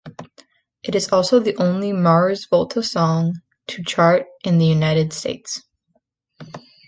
It is also the only Mars Volta song to chart in the United States.